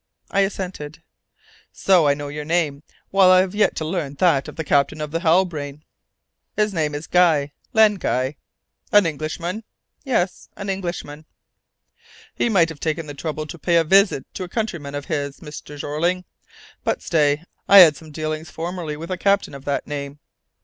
I assented. "So! I know your name, while I have yet to learn that of the captain of the Halbrane." "His name is Guy Len Guy." "An Englishman?" "Yes an Englishman." "He might have taken the trouble to pay a visit to a countryman of his, Mr. Jeorling! But stay! I had some dealings formerly with a captain of that name.